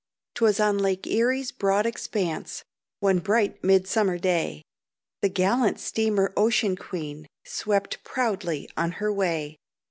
'Twas on Lake Erie's broad expanse One bright midsummer day, The gallant steamer Ocean Queen Swept proudly on her way.